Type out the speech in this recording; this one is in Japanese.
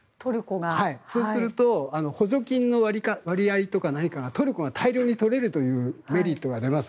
そうすると補助金の割合から何からトルコが大量に取れるというメリットがあります。